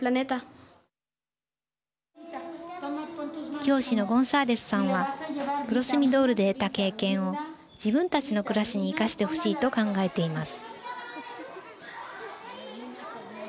教師のゴンサーレスさんはプロスミドールで得た経験を自分たちの暮らしに生かしてほしいと考えています。